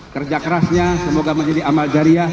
kerja kerasnya semoga menjadi amal jariah